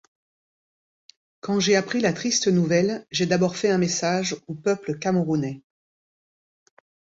Quand j'ai appris la triste nouvelle, j'ai d'abord fait un message au peuple camerounais.